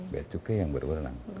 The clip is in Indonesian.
becuknya yang berwenang